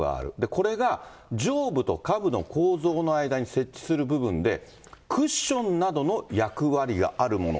これが上部と下部の構造の間に設置する部分で、クッションなどの役割があるもの。